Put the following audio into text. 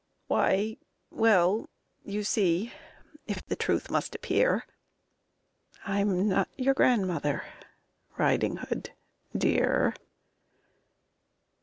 Why, well: you see if the truth must appear I'm not your grandmother, Riding Hood, dear!